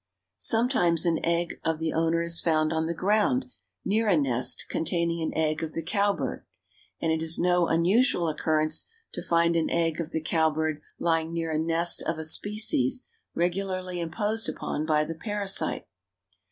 Sometimes an egg of the owner is found on the ground near a nest containing an egg of the cowbird, and it is no unusual occurrence to find an egg of the cowbird lying near a nest of a species regularly imposed upon by the parasite.